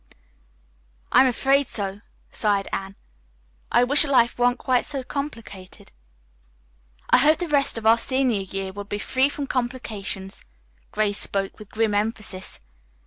"I am afraid so," sighed Anne. "I wish life weren't quite so complicated." "I hope the rest of our senior year will be free from complications." Grace spoke with grim emphasis.